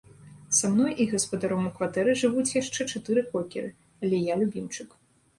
Са мной і гаспадаром у кватэры жывуць яшчэ чатыры кокеры, але я любімчык.